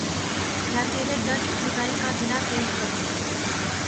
یا ترے درد جدائی کا گلا پیش کروں